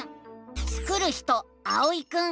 スクる人あおいくん。